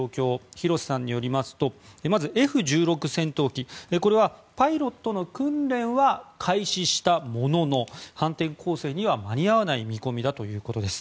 広瀬さんによりますとまずＦ１６戦闘機これはパイロットの訓練は開始したものの反転攻勢には間に合わない見込みだということです。